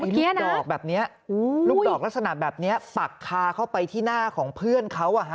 ลูกดอกแบบนี้ลูกดอกลักษณะแบบนี้ปักคาเข้าไปที่หน้าของเพื่อนเขา